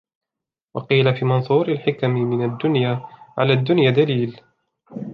وَقِيلَ فِي مَنْثُورِ الْحِكَمِ مِنْ الدُّنْيَا عَلَى الدُّنْيَا دَلِيلٌ